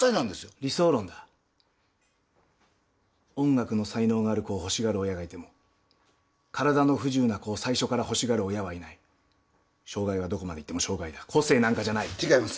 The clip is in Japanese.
理想論だ音楽の才能がある子を欲しがる親がいても体の不自由な子を最初から欲しがる親はいない障害は障害だ個性なんかじゃない違います